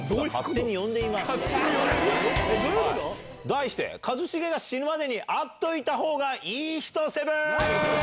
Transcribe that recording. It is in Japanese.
題して「一茂が死ぬまでに会っといた方がいい人００７」。